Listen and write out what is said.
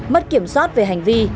mất kiểm soát về hành vi